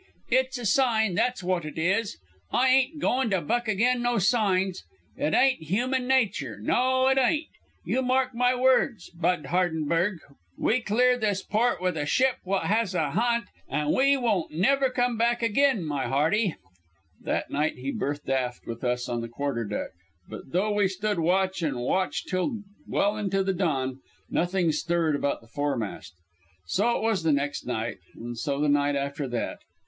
It's a sign, that's wot it is. I eyen't goin' to buck again no signs it eyen't human nature, no it eyen't. You mark my words, 'Bud' Hardenberg, we clear this port with a ship wot has a ha'nt an' we waon't never come back agyne, my hearty." That night he berthed aft with us on the quarterdeck, but though we stood watch and watch till well into the dawn, nothing stirred about the foremast. So it was the next night, and so the night after that.